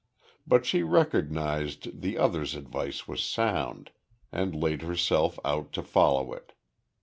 But she recognised the other's advice was sound, and laid herself out to follow it.